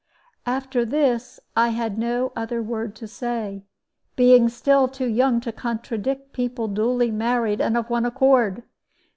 After this I had no other word to say, being still too young to contradict people duly married and of one accord.